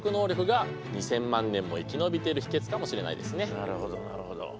なるほどなるほど。